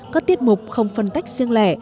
các tiết mục không phân tách riêng lẻ